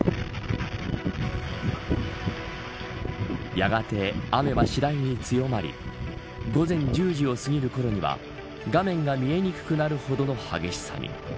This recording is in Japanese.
やがて雨は次第に強まり午前１０時を過ぎるころには画面が見えにくくなるほどの激しさに。